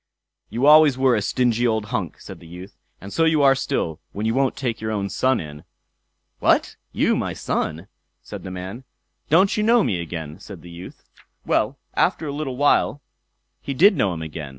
"You always were a stingy old hunks", said the youth, "and so you are still, when you won't take your own son in." "What, you my son!" said the man. "Don't you know me again?" said the youth. Well, after a little while he did know him again.